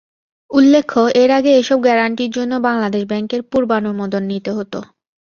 উল্লেখ্য, এর আগে এসব গ্যারান্টির জন্য বাংলাদেশ ব্যাংকের পূর্বানুমোদন নিতে হত।